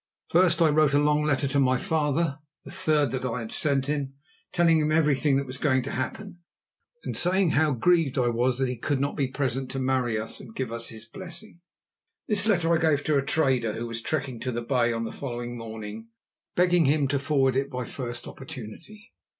First I wrote a long letter to my father, the third that I had sent, telling him everything that was going to happen, and saying how grieved I was that he could not be present to marry us and give us his blessing. This letter I gave to a trader who was trekking to the bay on the following morning, begging him to forward it by the first opportunity.